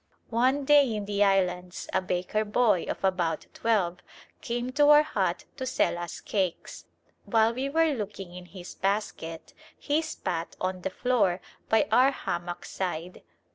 One day in the islands a baker boy of about twelve came to our hut to sell us cakes. While we were looking in his basket, he spat on the floor by our hammock side.